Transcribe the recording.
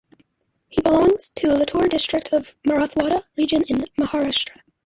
He belongs to Latur district of Marathwada region in Maharashtra.